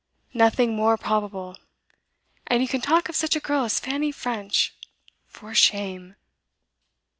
Nothing more probable! And you can talk of such a girl as Fanny French for shame!